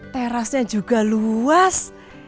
terasnya juga luas